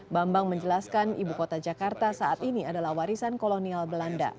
bambang menjelaskan ibu kota jakarta saat ini adalah warisan kolonial belanda